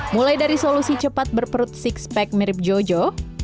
mulai dari solusi cepat berperut six pag mirip jojo